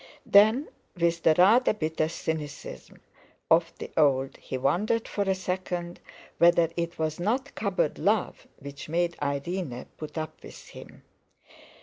Then, with the rather bitter cynicism of the old, he wondered for a second whether it was not cupboard love which made Irene put up with him.